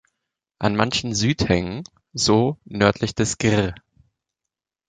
An manchen Südhängen, so nördlich des "Gr.